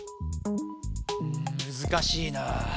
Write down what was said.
んむずかしいな。